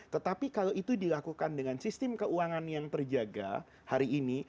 tetapi kalau itu dilakukan dengan sistem keuangan yang terjaga hari ini